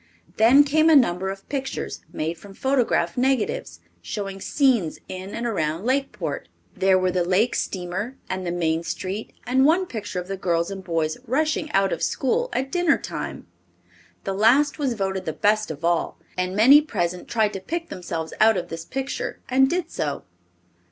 Then came a number of pictures made from photograph negatives, showing scenes in and around Lakeport. There were the lake steamer, and the main street, and one picture of the girls and boys rushing out of school at dinner time. The last was voted the best of all, and many present tried to pick themselves out of this picture and did so.